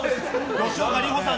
吉岡里帆さん